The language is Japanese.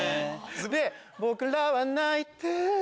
僕らは泣いてぇ